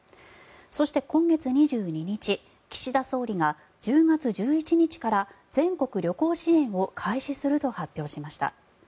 そして、今月２２日岸田総理が１０月１１日から全国旅行支援を開始すると発表しました。